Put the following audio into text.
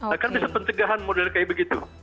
akan bisa pencegahan model kayak begitu